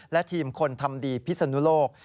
และทีมคนทำดีพิศนุโลก